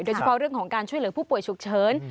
โดยเฉพาะเรื่องของการช่วยเหลือผู้ป่วยฉุกเฉิน